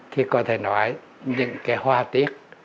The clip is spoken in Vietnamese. thì có thể nói những cái hoa tiết